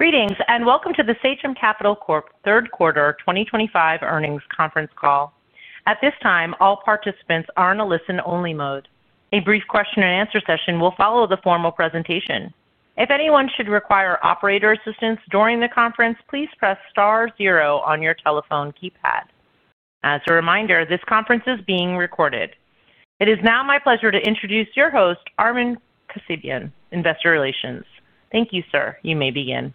Greetings and welcome to the Sachem Capital Corp Third Quarter 2025 Earnings Conference Call. At this time, all participants are in a listen-only mode. A brief question-and-answer session will follow the formal presentation. If anyone should require operator assistance during the conference, please press star zero on your telephone keypad. As a reminder, this conference is being recorded. It is now my pleasure to introduce your host, Armen Kassabian, Investor Relations. Thank you, sir. You may begin.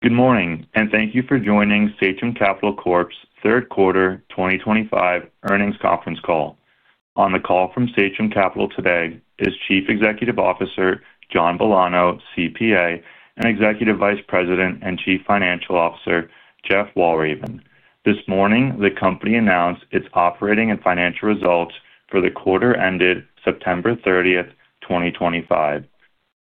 Good morning, and thank you for joining Sachem Capital's Third Quarter 2025 Earnings Conference Call. On the call from Sachem Capital today is Chief Executive Officer John Villano, CPA, and Executive Vice President and Chief Financial Officer Jeff Walraven. This morning, the company announced its operating and financial results for the quarter ended September 30th, 2025.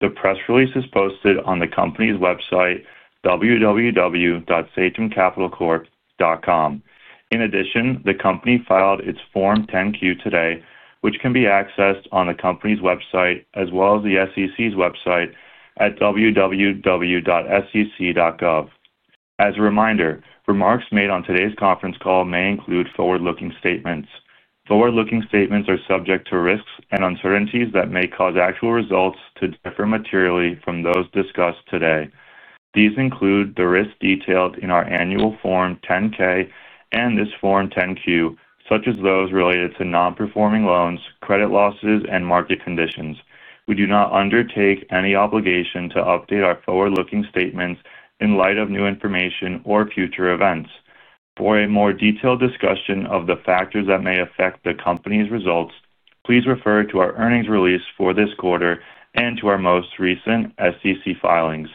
The press release is posted on the company's website, www.sachemcapital.com. In addition, the company filed its Form 10-Q today, which can be accessed on the company's website as well as the SEC's website at www.sec.gov. As a reminder, remarks made on today's conference call may include forward-looking statements. Forward-looking statements are subject to risks and uncertainties that may cause actual results to differ materially from those discussed today. These include the risks detailed in our annual Form 10-K and this Form 10-Q, such as those related to non-performing loans, credit losses, and market conditions. We do not undertake any obligation to update our forward-looking statements in light of new information or future events. For a more detailed discussion of the factors that may affect the company's results, please refer to our earnings release for this quarter and to our most recent SEC filings.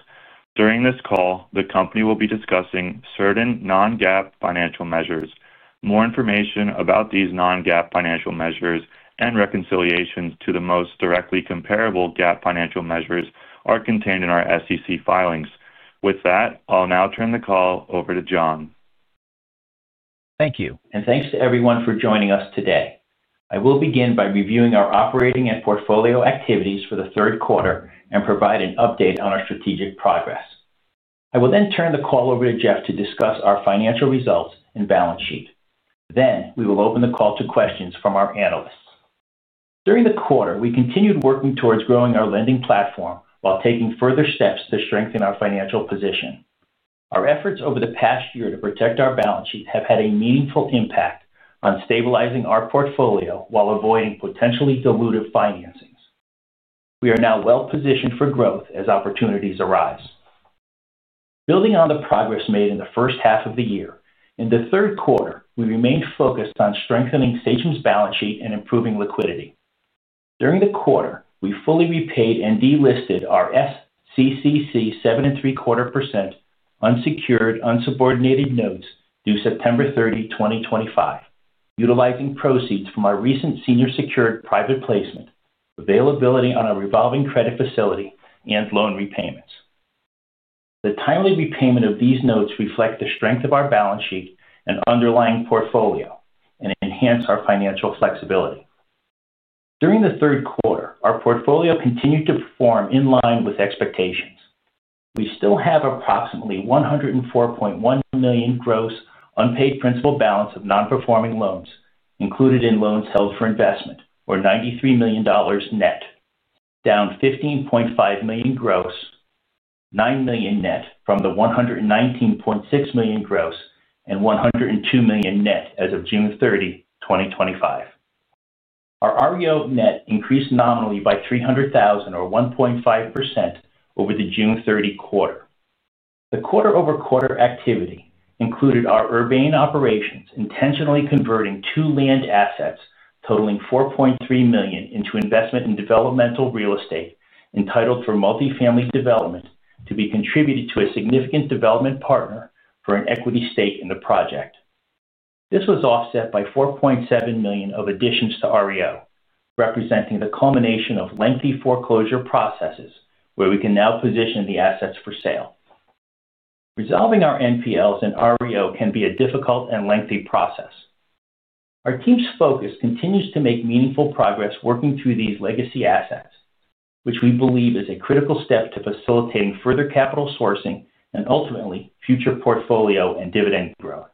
During this call, the company will be discussing certain non-GAAP financial measures. More information about these non-GAAP financial measures and reconciliations to the most directly comparable GAAP financial measures are contained in our SEC filings. With that, I'll now turn the call over to John. Thank you, and thanks to everyone for joining us today. I will begin by reviewing our operating and portfolio activities for the 3rd quarter and provide an update on our strategic progress. I will then turn the call over to Jeff to discuss our financial results and balance sheet. We will open the call to questions from our analysts. During the quarter, we continued working towards growing our lending platform while taking further steps to strengthen our financial position. Our efforts over the past year to protect our balance sheet have had a meaningful impact on stabilizing our portfolio while avoiding potentially dilutive financings. We are now well-positioned for growth as opportunities arise. Building on the progress made in the 1st half of the year, in the 3rd quarter, we remained focused on strengthening Sachem's balance sheet and improving liquidity. During the quarter, we fully repaid and delisted our SCCC 7.75% unsecured unsubordinated notes due September 30, 2025, utilizing proceeds from our recent senior-secured private placement, availability on our revolving credit facility, and loan repayments. The timely repayment of these notes reflects the strength of our balance sheet and underlying portfolio and enhanced our financial flexibility. During the 3rd quarter, our portfolio continued to perform in line with expectations. We still have approximately $104.1 million gross unpaid principal balance of non-performing loans, included in loans held for investment, or $93 million net, down $15.5 million gross, $9 million net from the $119.6 million gross and $102 million net as of June 30, 2025. Our REO net increased nominally by $300,000 or 1.5% over the June 30 quarter. The quarter-over-quarter activity included our urbane operations intentionally converting two land assets totaling $4.3 million into investment in Developmental Real Estate entitled for multifamily development to be contributed to a significant development partner for an equity stake in the project. This was offset by $4.7 million of additions to REO, representing the culmination of lengthy foreclosure processes where we can now position the assets for sale. Resolving our NPLs and REO can be a difficult and lengthy process. Our team's focus continues to make meaningful progress working through these legacy assets, which we believe is a critical step to facilitating further capital sourcing and ultimately future portfolio and dividend growth.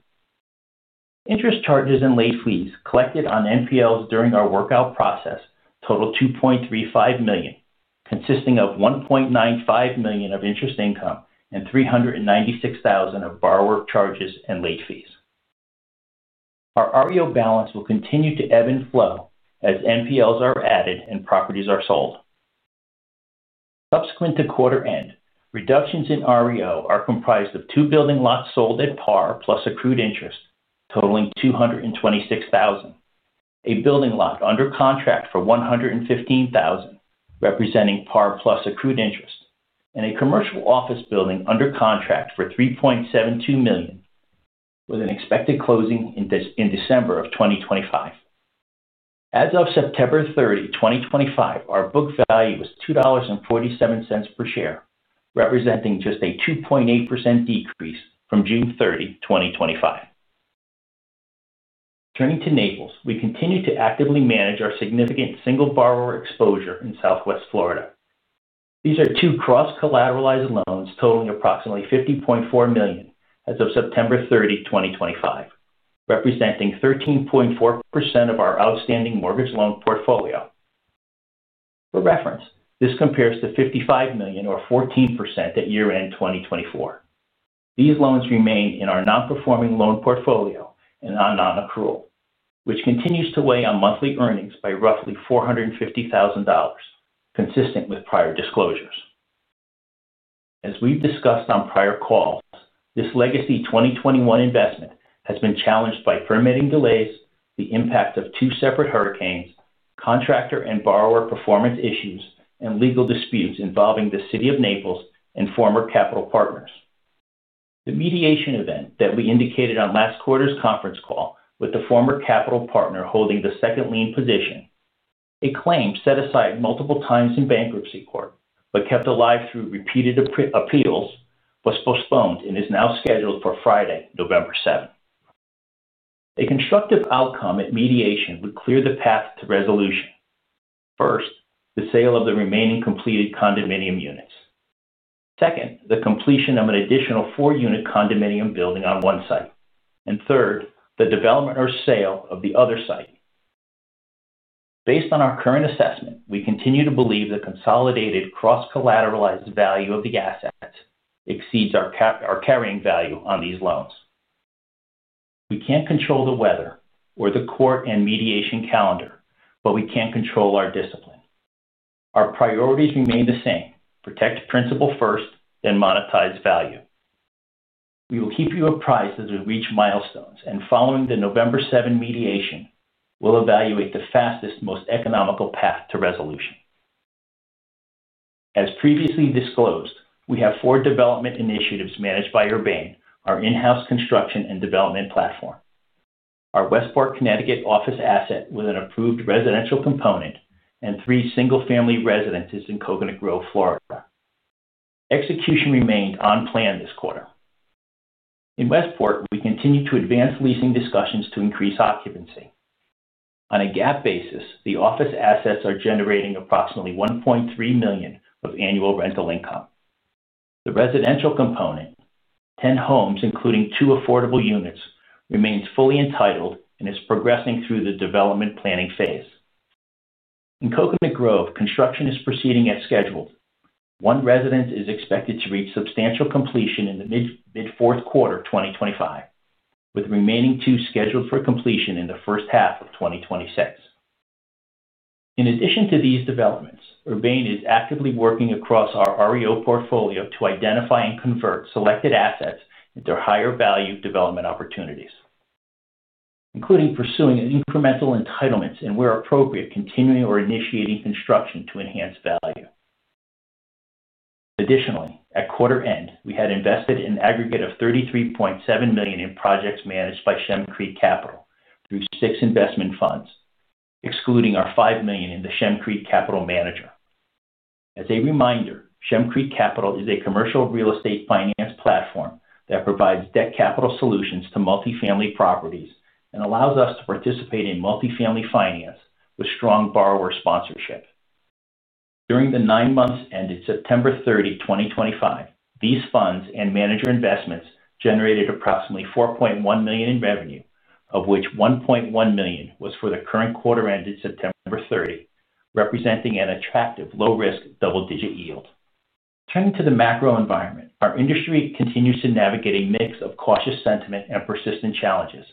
Interest charges and late fees collected on NPLs during our workout process total $2.35 million, consisting of $1.95 million of interest income and $396,000 of borrower charges and late fees. Our REO balance will continue to ebb and flow as NPLs are added and properties are sold. Subsequent to quarter end, reductions in REO are comprised of two building lots sold at par plus accrued interest, totaling $226,000, a building lot under contract for $115,000 representing par plus accrued interest, and a commercial office building under contract for $3.72 million, with an expected closing in December of 2025. As of September 30, 2025, our book value was $2.47 per share, representing just a 2.8% decrease from June 30, 2025. Turning to Naples, we continue to actively manage our significant single borrower exposure in Southwest Florida. These are two cross-collateralized loans totaling approximately $50.4 million as of September 30, 2025, representing 13.4% of our outstanding mortgage loan portfolio. For reference, this compares to $55 million, or 14%, at year-end 2024. These loans remain in our non-performing loan portfolio and are non-accrual, which continues to weigh on monthly earnings by roughly $450,000, consistent with prior disclosures. As we've discussed on prior calls, this legacy 2021 investment has been challenged by permitting delays, the impact of two separate hurricanes, contractor and borrower performance issues, and legal disputes involving the City of Naples and former capital partners. The mediation event that we indicated on last quarter's conference call with the former capital partner holding the second lien position, a claim set aside multiple times in bankruptcy court but kept alive through repeated appeals, was postponed and is now scheduled for Friday, November 7. A constructive outcome at mediation would clear the path to resolution. First, the sale of the remaining completed condominium units. Second, the completion of an additional four-unit condominium building on one site. Third, the development or sale of the other site. Based on our current assessment, we continue to believe the consolidated cross-collateralized value of the assets exceeds our carrying value on these loans. We cannot control the weather or the court and mediation calendar, but we can control our discipline. Our priorities remain the same: protect principal first, then monetize value. We will keep you apprised as we reach milestones, and following the November 7 mediation, we will evaluate the fastest, most economical path to resolution. As previously disclosed, we have four development initiatives managed by Urbane, our in-house construction and development platform. Our Westport, Connecticut office asset with an approved residential component and three single-family residences in Coconut Grove, Florida. Execution remained on plan this quarter. In Westport, we continue to advance leasing discussions to increase occupancy. On a GAAP basis, the office assets are generating approximately $1.3 million of annual rental income. The residential component, 10 homes including two affordable units, remains fully entitled and is progressing through the development planning phase. In Coconut Grove, construction is proceeding as scheduled. One residence is expected to reach substantial completion in the mid-fourth quarter of 2025, with the remaining two scheduled for completion in the 1st half of 2026. In addition to these developments, Urbane is actively working across our REO portfolio to identify and convert selected assets into higher-value development opportunities. Including pursuing incremental entitlements and, where appropriate, continuing or initiating construction to enhance value. Additionally, at quarter end, we had invested an aggregate of $33.7 million in projects managed by Shem Creek Capital through six investment funds, excluding our $5 million in the Shem Creek Capital Manager. As a reminder, Shem Creek Capital is a commercial real estate finance platform that provides debt capital solutions to multifamily properties and allows us to participate in multifamily finance with strong borrower sponsorship. During the nine months ended September 30, 2025, these funds and manager investments generated approximately $4.1 million in revenue, of which $1.1 million was for the current quarter ended September 30, representing an attractive low-risk double-digit yield. Turning to the macro environment, our industry continues to navigate a mix of cautious sentiment and persistent challenges.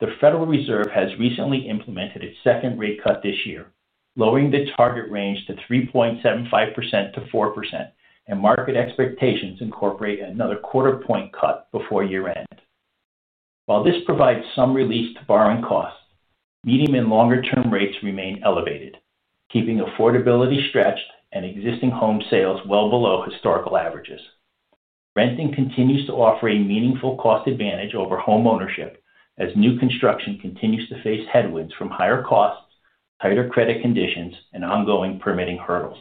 The Federal Reserve has recently implemented its second rate cut this year, lowering the target range to 3.75%-4%, and market expectations incorporate another quarter-point cut before year-end. While this provides some relief to borrowing costs, medium and longer-term rates remain elevated, keeping affordability stretched and existing home sales well below historical averages. Renting continues to offer a meaningful cost advantage over homeownership as new construction continues to face headwinds from higher costs, tighter credit conditions, and ongoing permitting hurdles.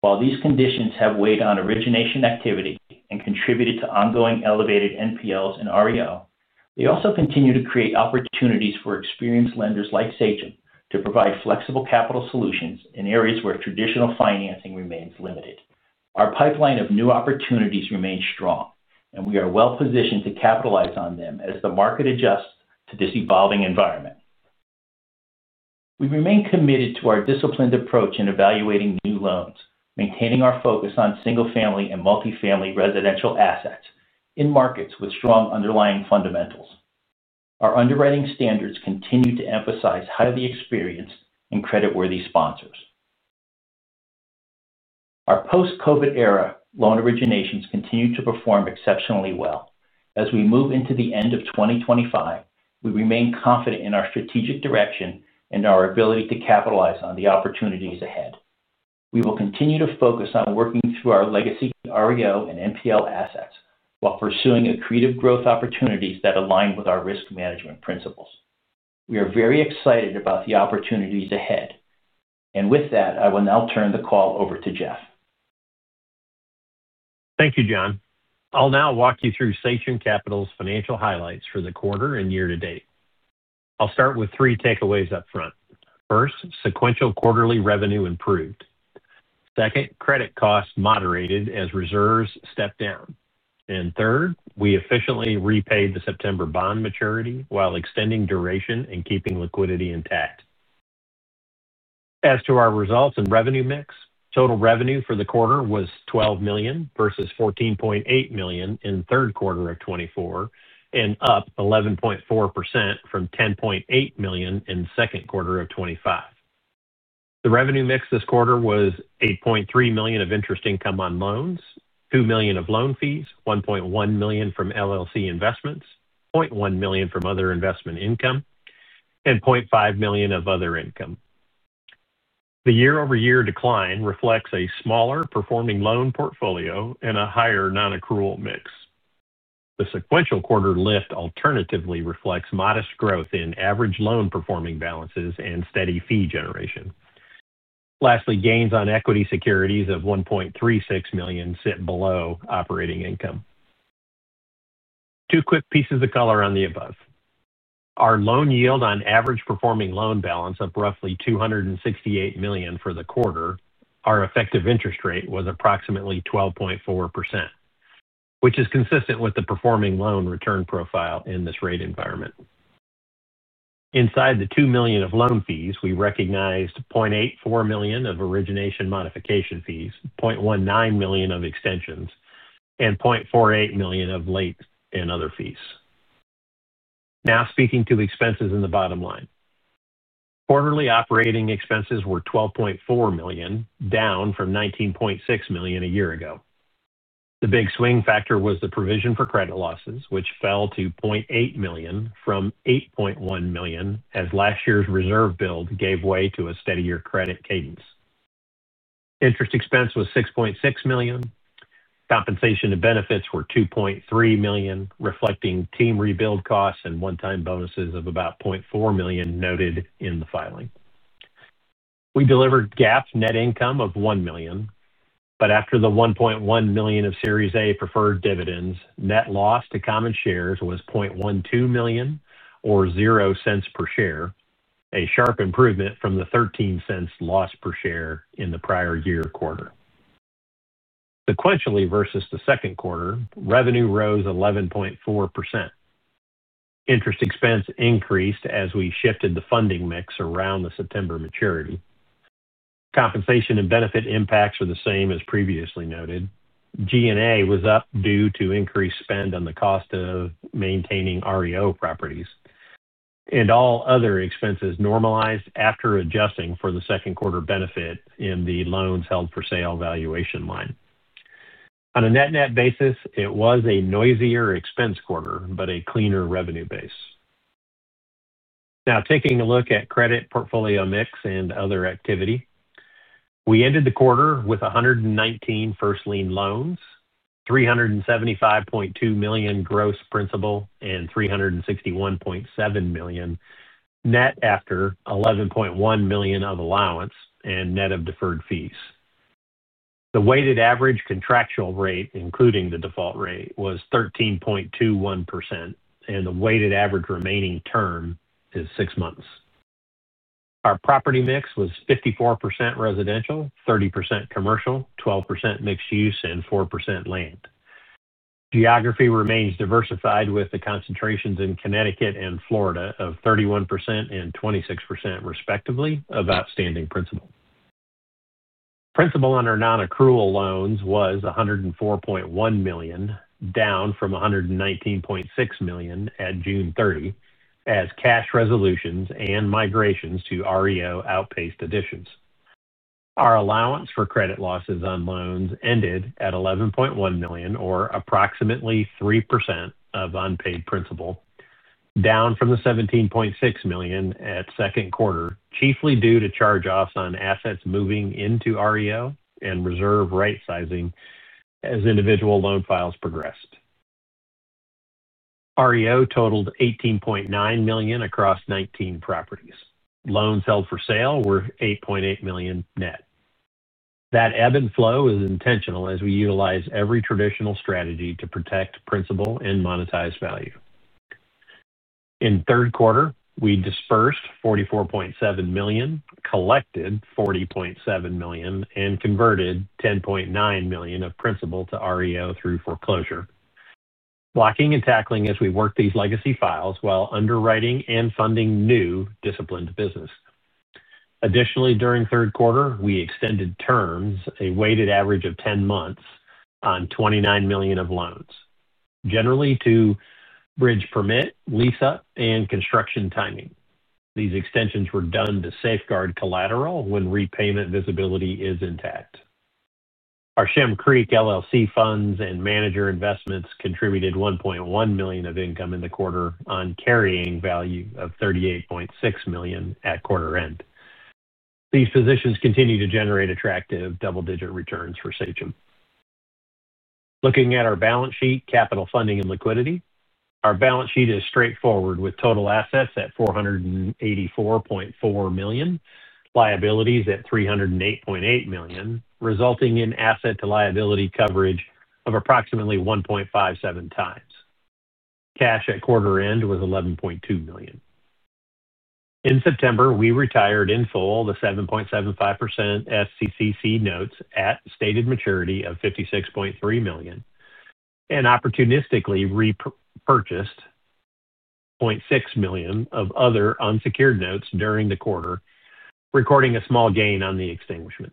While these conditions have weighed on origination activity and contributed to ongoing elevated NPLs and REO, they also continue to create opportunities for experienced lenders like Sachem to provide flexible capital solutions in areas where traditional financing remains limited. Our pipeline of new opportunities remains strong, and we are well-positioned to capitalize on them as the market adjusts to this evolving environment. We remain committed to our disciplined approach in evaluating new loans, maintaining our focus on single-family and multifamily residential assets in markets with strong underlying fundamentals. Our underwriting standards continue to emphasize highly experienced and creditworthy sponsors. Our post-COVID era loan originations continue to perform exceptionally well. As we move into the end of 2025, we remain confident in our strategic direction and our ability to capitalize on the opportunities ahead. We will continue to focus on working through our legacy REO and NPL assets while pursuing accretive growth opportunities that align with our risk management principles. We are very excited about the opportunities ahead. With that, I will now turn the call over to Jeff. Thank you, John. I'll now walk you through Sachem Capital's financial highlights for the quarter and year-to-date. I'll start with three takeaways up front. First, sequential quarterly revenue improved. Second, credit costs moderated as reserves stepped down. Third, we efficiently repaid the September bond maturity while extending duration and keeping liquidity intact. As to our results and revenue mix, total revenue for the quarter was $12 million versus $14.8 million in the 3rd quarter of 2024, and up 11.4% from $10.8 million in the 2nd quarter of 2025. The revenue mix this quarter was $8.3 million of interest income on loans, $2 million of loan fees, $1.1 million from LLC investments, $0.1 million from other investment income, and $0.5 million of other income. The year-over-year decline reflects a smaller performing loan portfolio and a higher non-accrual mix. The sequential quarter lift alternatively reflects modest growth in average loan performing balances and steady fee generation. Lastly, gains on equity securities of $1.36 million sit below operating income. Two quick pieces of color on the above. Our loan yield on average performing loan balance of roughly $268 million for the quarter, our effective interest rate was approximately 12.4%. Which is consistent with the performing loan return profile in this rate environment. Inside the $2 million of loan fees, we recognized $0.84 million of origination modification fees, $0.19 million of extensions, and $0.48 million of late and other fees. Now speaking to expenses in the bottom line. Quarterly operating expenses were $12.4 million, down from $19.6 million a year ago. The big swing factor was the provision for credit losses, which fell to $0.8 million from $8.1 million as last year's reserve build gave way to a steadier credit cadence. Interest expense was $6.6 million. Compensation and benefits were $2.3 million, reflecting team rebuild costs and one-time bonuses of about $0.4 million, noted in the filing. We delivered GAAP net income of $1 million, but after the $1.1 million of Series A preferred dividends, net loss to common shares was $0.12 million, or $0 per share, a sharp improvement from the $0.13 loss per share in the prior year quarter. Sequentially versus the 2nd quarter, revenue rose 11.4%. Interest expense increased as we shifted the funding mix around the September maturity. Compensation and benefit impacts were the same as previously noted. G&A was up due to increased spend on the cost of maintaining REO properties. All other expenses normalized after adjusting for the 2nd quarter benefit in the loans held for sale valuation line. On a net-net basis, it was a noisier expense quarter, but a cleaner revenue base. Now taking a look at credit portfolio mix and other activity, we ended the quarter with 119 first lien loans, $375.2 million gross principal, and $361.7 million net after $11.1 million of allowance and net of deferred fees. The weighted average contractual rate, including the default rate, was 13.21%, and the weighted average remaining term is six months. Our property mix was 54% residential, 30% commercial, 12% mixed use, and 4% land. Geography remains diversified with the concentrations in Connecticut and Florida of 31% and 26%, respectively, of outstanding principal. Principal on our non-accrual loans was $104.1 million, down from $119.6 million at June 30 as cash resolutions and migrations to REO outpaced additions. Our allowance for credit losses on loans ended at $11.1 million, or approximately 3% of unpaid principal, down from the $17.6 million at second quarter, chiefly due to charge-offs on assets moving into REO and reserve right-sizing as individual loan files progressed. REO totaled $18.9 million across 19 properties. Loans held for sale were $8.8 million net. That ebb and flow is intentional as we utilize every traditional strategy to protect principal and monetize value. In the 3rd quarter, we dispersed $44.7 million, collected $40.7 million, and converted $10.9 million of principal to REO through foreclosure. Blocking and tackling as we worked these legacy files while underwriting and funding new disciplined business. Additionally, during the 3rd quarter, we extended terms, a weighted average of 10 months, on $29 million of loans, generally to bridge permit, lease-up, and construction timing. These extensions were done to safeguard collateral when repayment visibility is intact. Our Shem Creek Capital funds and manager investments contributed $1.1 million of income in the quarter on carrying value of $38.6 million at quarter end. These positions continue to generate attractive double-digit returns for Sachem. Looking at our balance sheet, capital, funding, and liquidity, our balance sheet is straightforward with total assets at $484.4 million, liabilities at $308.8 million, resulting in asset-to-liability coverage of approximately 1.57 times. Cash at quarter end was $11.2 million. In September, we retired in full the 7.75% SCCC notes at stated maturity of $56.3 million. We opportunistically repurchased $0.6 million of other unsecured notes during the quarter, recording a small gain on the extinguishment.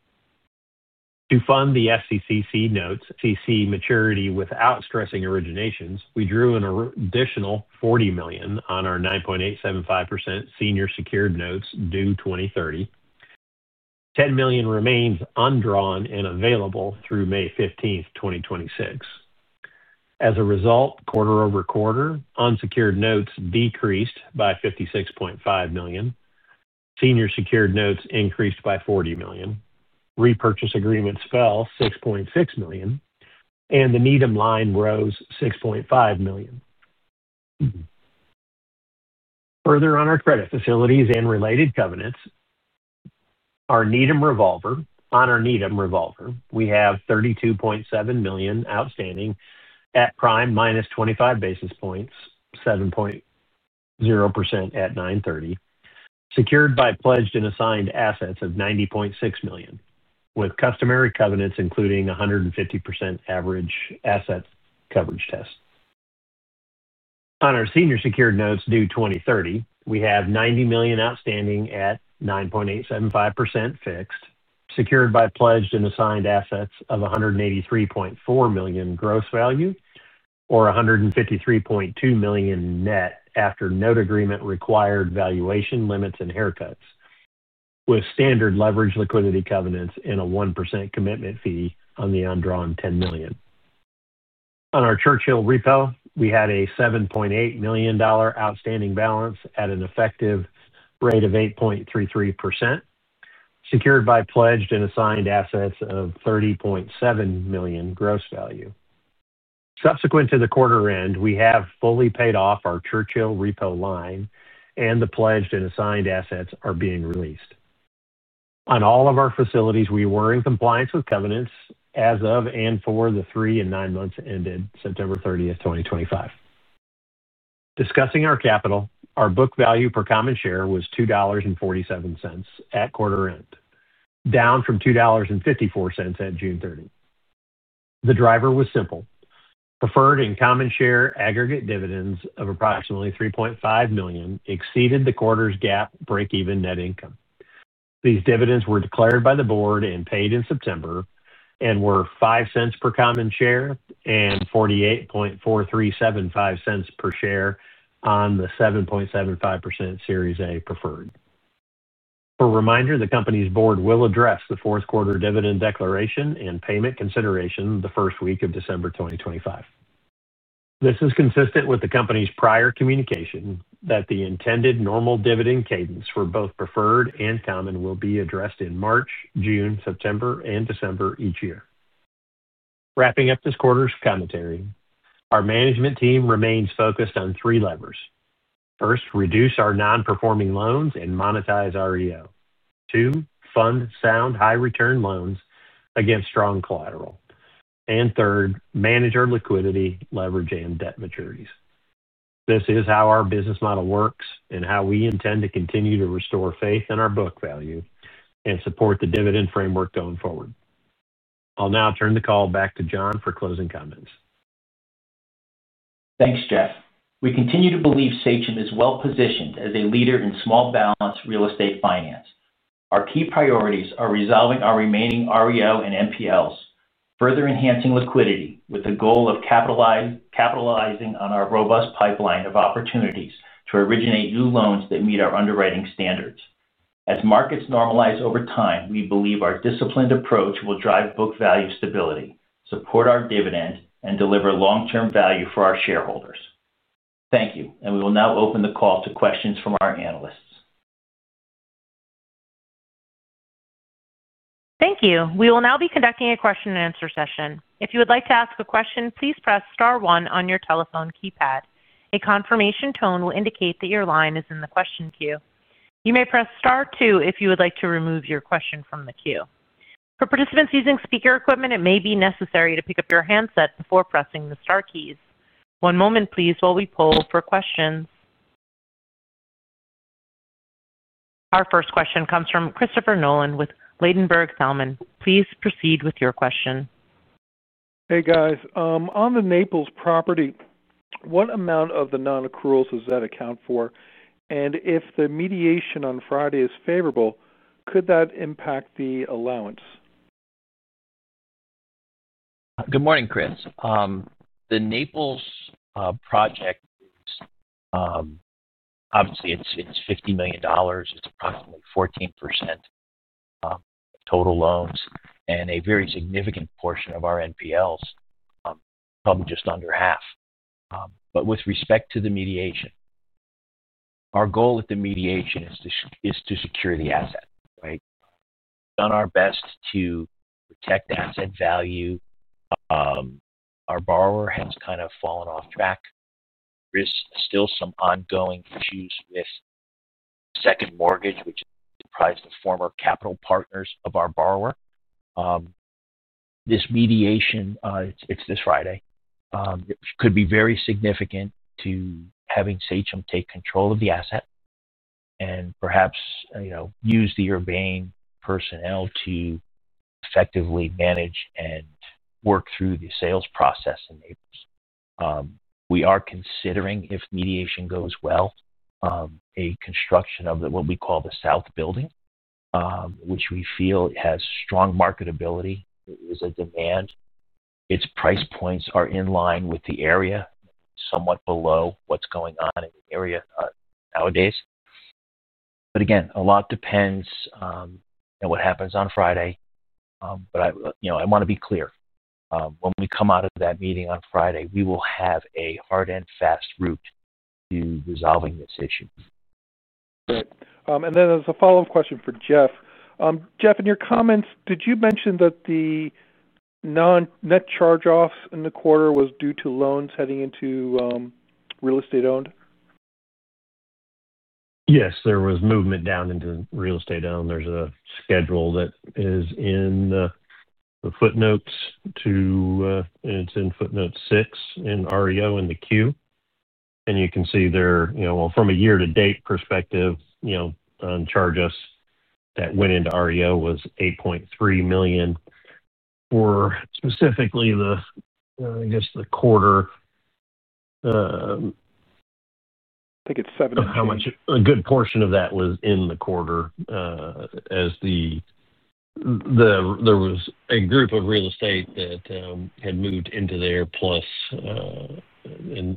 To fund the SCCC notes maturity without stressing originations, we drew an additional $40 million on our 9.875% Senior Secured Notes due 2030. $10 million remains undrawn and available through May 15, 2026. As a result, quarter-over-quarter, unsecured notes decreased by $56.5 million. Senior secured notes increased by $40 million. Repurchase agreement spell $6.6 million, and the Needham line rose $6.5 million. Further on our credit facilities and related covenants. On our Needham revolver, we have $32.7 million outstanding at prime minus 25 basis points, 7.0% at 9:30, secured by pledged and assigned assets of $90.6 million, with customary covenants including 150% average asset coverage test. On our senior secured notes due 2030, we have $90 million outstanding at 9.875% fixed, secured by pledged and assigned assets of $183.4 million gross value, or $153.2 million net after note agreement required valuation limits and haircuts. With standard leverage liquidity covenants and a 1% commitment fee on the undrawn $10 million. On our Churchill repo, we had a $7.8 million outstanding balance at an effective rate of 8.33%. Secured by pledged and assigned assets of $30.7 million gross value. Subsequent to the quarter end, we have fully paid off our Churchill repo line, and the pledged and assigned assets are being released. On all of our facilities, we were in compliance with covenants as of and for the three and nine months ended September 30, 2025. Discussing our capital, our book value per common share was $2.47 at quarter end, down from $2.54 at June 30. The driver was simple. Preferred and common share aggregate dividends of approximately $3.5 million exceeded the quarter's GAAP break-even net income. These dividends were declared by the board and paid in September. They were $0.05 per common share and $48.4375 per share on the 7.75% Series A preferred. For a reminder, the company's board will address the fourth quarter dividend declaration and payment consideration the 1st week of December 2025. This is consistent with the company's prior communication that the intended normal dividend cadence for both preferred and common will be addressed in March, June, September, and December each year. Wrapping up this quarter's commentary, our management team remains focused on three levers. First, reduce our non-performing loans and monetize REO. Two, fund sound high-return loans against strong collateral. Third, manage our liquidity, leverage, and debt maturities. This is how our business model works and how we intend to continue to restore faith in our book value and support the dividend framework going forward. I'll now turn the call back to John for closing comments. Thanks, Jeff. We continue to believe Sachem is well-positioned as a leader in small balance real estate finance. Our key priorities are resolving our remaining REO and NPLs, further enhancing liquidity with the goal of capitalizing on our robust pipeline of opportunities to originate new loans that meet our underwriting standards. As markets normalize over time, we believe our disciplined approach will drive book value stability, support our dividend, and deliver long-term value for our shareholders. Thank you, and we will now open the call to questions from our analysts. Thank you. We will now be conducting a question-and-answer session. If you would like to ask a question, please press Star one on your telephone keypad. A confirmation tone will indicate that your line is in the question queue. You may press Star two if you would like to remove your question from the queue. For participants using speaker equipment, it may be necessary to pick up your handset before pressing the Star keys. One moment, please, while we poll for questions. Our first question comes from Christopher Nolan with Ladenburg Thalmann. Please proceed with your question. Hey, guys. On the Naples property, what amount of the non-accruals does that account for? If the mediation on Friday is favorable, could that impact the allowance? Good morning, Chris. The Naples Project, obviously, it's $50 million. It's approximately 14% of total loans and a very significant portion of our NPLs, probably just under half. With respect to the mediation, our goal with the mediation is to secure the asset, right? We've done our best to protect asset value. Our borrower has kind of fallen off track. There's still some ongoing issues with the 2nd mortgage, which comprised the former capital partners of our borrower. This mediation, it's this Friday. It could be very significant to having Sachem take control of the asset. Perhaps use the Urbain personnel to effectively manage and work through the sales process in Naples. We are considering, if mediation goes well, a construction of what we call the South Building, which we feel has strong marketability. It is a demand. Its price points are in line with the area, somewhat below what's going on in the area nowadays. Again, a lot depends on what happens on Friday. I want to be clear. When we come out of that meeting on Friday, we will have a hard and fast route to resolving this issue. Great. There's a follow-up question for Jeff. Jeff, in your comments, did you mention that the net charge-off in the quarter was due to loans heading into real estate owned? Yes, there was movement down into Real Estate owned. There is a schedule that is in the footnotes to, it is in footnote six in REO in the Q. And you can see there, from a year-to-date perspective, on charge-offs that went into REO was $8.3 million. For specifically, I guess, the quarter. I think it's $700 million. A good portion of that was in the quarter. There was a group of real estate that had moved into there, plus.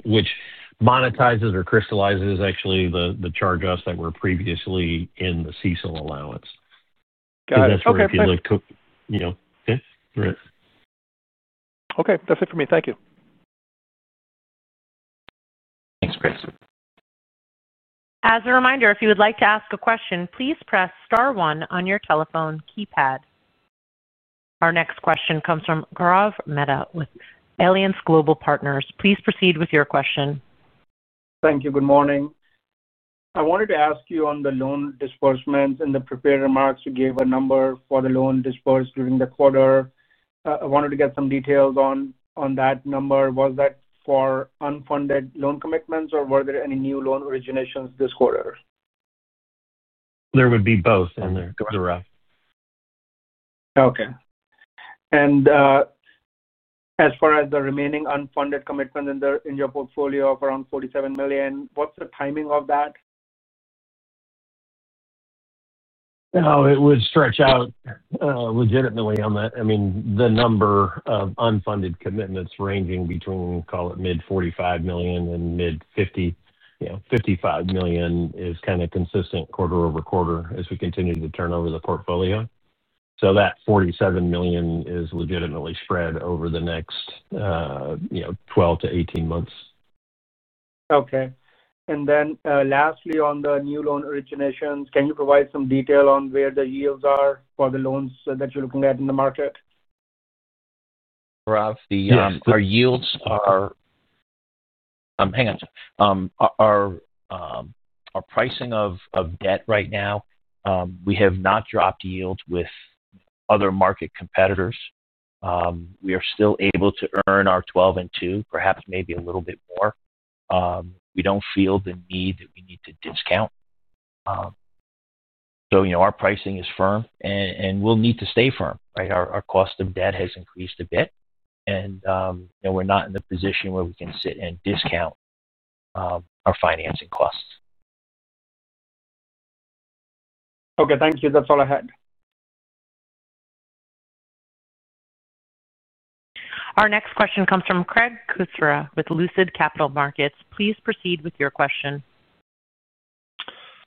Which monetizes or crystallizes, actually, the charge-offs that were previously in the CECL allowance. Got it. Okay. If that's what you feel like. Okay. All right. Okay. That's it for me. Thank you. Thanks, Chris. As a reminder, if you would like to ask a question, please press Star one on your telephone keypad. Our next question comes from Gaurav Mehta with Alliance Global Partners. Please proceed with your question. Thank you. Good morning. I wanted to ask you on the loan disbursements and the prepared remarks. You gave a number for the loan disbursed during the quarter. I wanted to get some details on that number. Was that for unfunded loan commitments, or were there any new loan originations this quarter? There would be both in there, Gaurav. Okay. As far as the remaining unfunded commitments in your portfolio of around $47 million, what's the timing of that? Oh, it would stretch out. Legitimately on that. I mean, the number of unfunded commitments ranging between, call it, mid-$45 million and mid-$55 million is kind of consistent quarter over quarter as we continue to turn over the portfolio. So that $47 million is legitimately spread over the next 12-18 months. Okay. Lastly, on the new loan originations, can you provide some detail on where the yields are for the loans that you're looking at in the market? Gaurav, our yields are—hang on. Our pricing of debt right now. We have not dropped yields with other market competitors. We are still able to earn our 12 and two, perhaps maybe a little bit more. We do not feel the need that we need to discount. So our pricing is firm, and we will need to stay firm, right? Our cost of debt has increased a bit, and we are not in the position where we can sit and discount our financing costs. Okay. Thank you. That's all I had. Our next question comes from Craig Kucera with Lucid Capital Markets. Please proceed with your question.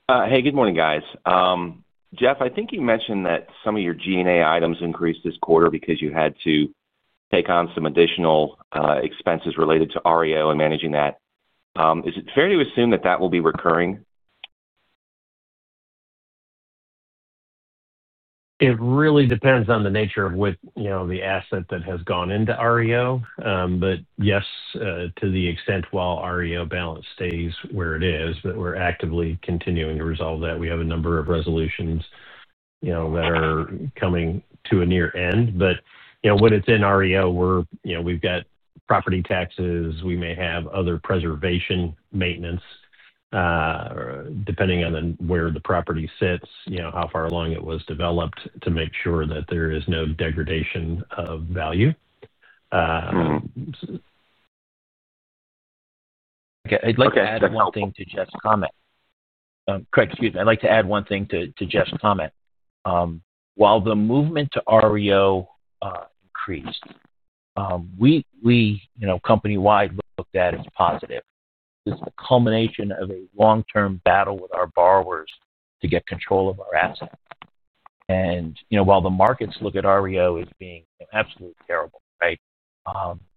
Hey, good morning, guys. Jeff, I think you mentioned that some of your G&A items increased this quarter because you had to take on some additional expenses related to REO and managing that. Is it fair to assume that that will be recurring? It really depends on the nature of the asset that has gone into REO. Yes, to the extent while REO balance stays where it is, we are actively continuing to resolve that. We have a number of resolutions that are coming to a near end. When it is in REO, we have property taxes. We may have other preservation maintenance, depending on where the property sits, how far along it was developed, to make sure that there is no degradation of value. Okay. I'd like to add one thing to Jeff's comment. Go ahead. Correct. Excuse me. I'd like to add one thing to Jeff's comment. While the movement to REO increased, we, company-wide, looked at it as positive. It's the culmination of a long-term battle with our borrowers to get control of our assets. While the markets look at REO as being absolutely terrible, right,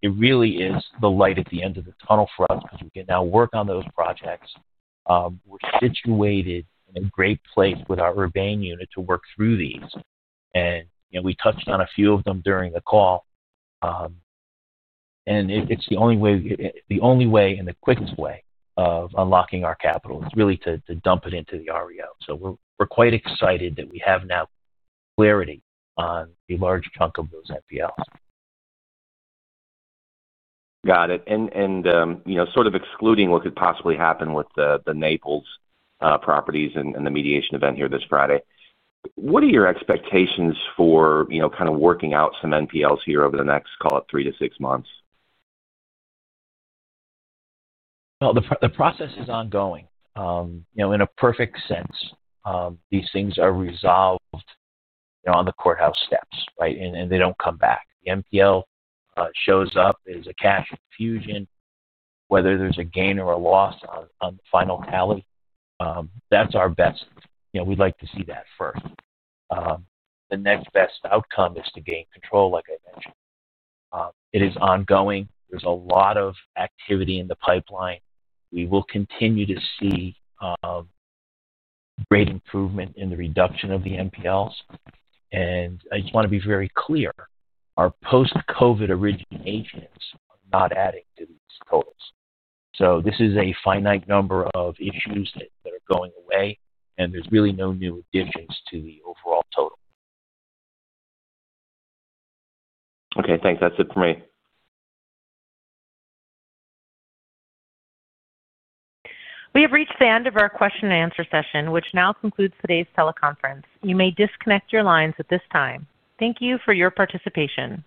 it really is the light at the end of the tunnel for us because we can now work on those projects. We're situated in a great place with our Urbain unit to work through these. We touched on a few of them during the call. It's the only way—the only way and the quickest way of unlocking our capital is really to dump it into the REO. We're quite excited that we have now clarity on a large chunk of those NPLs. Got it. Sort of excluding what could possibly happen with the Naples properties and the mediation event here this Friday, what are your expectations for kind of working out some NPLs here over the next, call it, three to six months? The process is ongoing. In a perfect sense, these things are resolved on the courthouse steps, right, and they do not come back. The NPL shows up as a cash infusion, whether there is a gain or a loss on the final tally. That is our best. We would like to see that first. The next best outcome is to gain control, like I mentioned. It is ongoing. There is a lot of activity in the pipeline. We will continue to see great improvement in the reduction of the NPLs. I just want to be very clear. Our post-COVID originations are not adding to these totals. This is a finite number of issues that are going away, and there's really no new additions to the overall total. Okay. Thanks. That's it for me. We have reached the end of our question-and-answer session, which now concludes today's teleconference. You may disconnect your lines at this time. Thank you for your participation.